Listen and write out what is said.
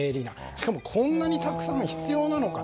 しかもこんなにたくさん必要なのか？